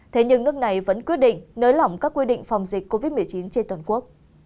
thế nhưng nước này vẫn quyết định nới lỏng các quy định phòng dịch covid một mươi chín trên toàn quốc